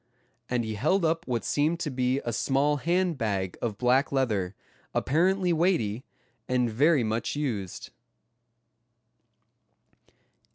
and he held up what seemed to be a small hand bag of black leather, apparently weighty, and very much used.